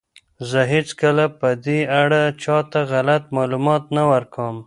زه هیڅکله په دې اړه چاته غلط معلومات نه ورکوم.